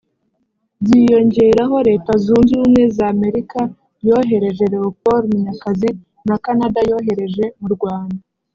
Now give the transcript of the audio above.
Byiyongeraho Leta Zunze Ubumwe za Amerika yohereje Léopold Munyakazi na Canada yohereje mu Rwanda